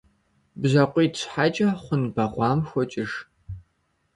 БжьакъуитӀ щхьэкӀэ хъун бэгъуам хокӀыж.